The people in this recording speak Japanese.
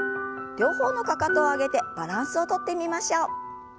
両方のかかとを上げてバランスをとってみましょう。